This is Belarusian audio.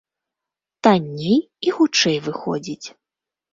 Танней і хутчэй выходзіць.